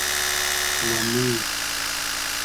و موی